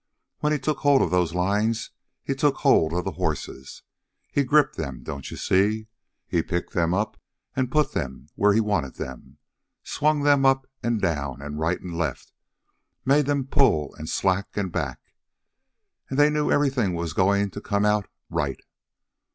When he took hold of those lines, he took hold of the horses. He gripped them, don't you see. He picked them up and put them where he wanted them, swung them up and down and right and left, made them pull, and slack, and back and they knew everything was going to come out right.